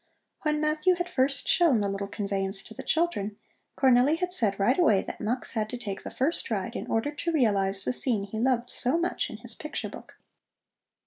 When Matthew had first shown the little conveyance to the children, Cornelli had said right away that Mux had to take the first ride in order to realize the scene he loved so much in his picture book.